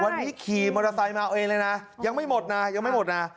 วันนี้ขี่มอเตอร์ไซค์มาเอาเองเลยนะยังไม่หมดนะยังไม่หมดนะ